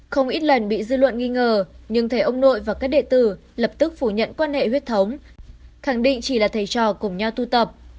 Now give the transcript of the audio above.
không ít lần bị dư luận nghi ngờ nhưng thầy ông nội và các địa tử lập tức phủ nhận quan hệ huyết thống khẳng định chỉ là thầy trò cùng nhau tu tập